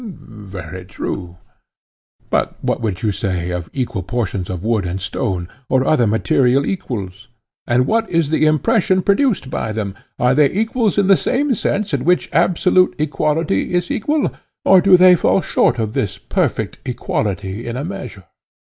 Very true. But what would you say of equal portions of wood and stone, or other material equals? and what is the impression produced by them? Are they equals in the same sense in which absolute equality is equal? or do they fall short of this perfect equality in a measure?